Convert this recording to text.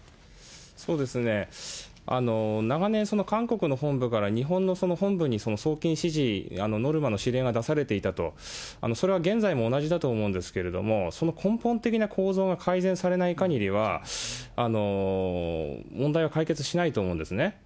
そうですね、長年、韓国の本部から日本の本部に送金指示、ノルマの指令が出されていたと、それは現在も同じだと思うんですけれども、その根本的な構造が改善されないかぎりは、問題は解決しないと思うんですね。